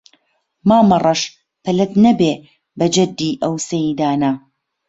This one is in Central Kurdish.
مامەڕەش پەلەت نەبێ بە جەددی ئەو سەیدانە